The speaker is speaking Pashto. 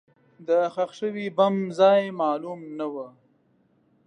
د ښخ شوي بم ځای معلوم نه و.